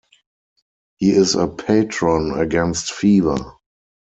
He is a patron against fever.